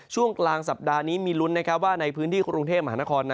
ช่วงกลางสัปดาห์นี้มีลุ้นว่าในพื้นที่กรุงเทพมหานคร